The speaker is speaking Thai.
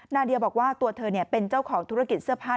นาเดียบอกว่าตัวเธอเป็นเจ้าของธุรกิจเสื้อผ้า